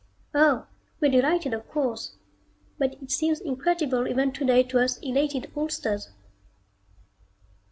Oh, we're delighted of course, but it seems incredible even today to us elated oldsters.